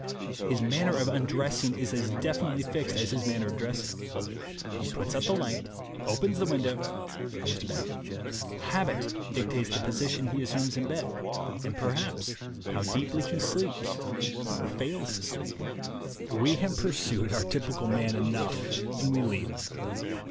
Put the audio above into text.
His manner of undressing is as definitely fixed as his manner of dressing. He puts out the light, opens the window and goes to bed. Habit dictates the position he assumes in bed, and perhaps how deeply he sleeps or fails to sleep We have pursued our typical man enough, and we leave him.